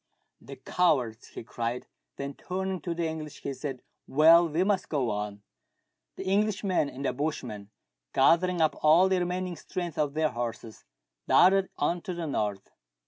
"The cowards !" he cried ; then turning to the English, he said, "Well, we must go on." The Englishmen and the bushman, gathering up all the remaining strength of their horses, darted on to the north.